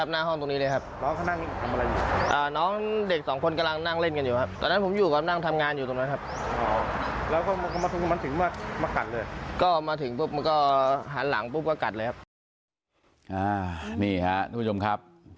นี่ค่ะทุกผู้ชมครับ